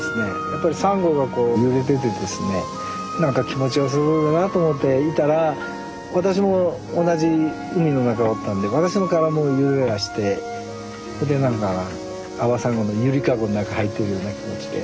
やっぱりサンゴがこう揺れててですねなんか気持ちよさそうだなと思っていたら私も同じ海の中におったんで私の体もユラユラしてほいでなんかアワサンゴの揺りかごの中入ってるような気持ちで。